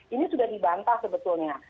ini sudah dibantah sebetulnya